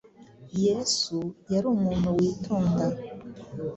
Yesu yari umuntu witonda,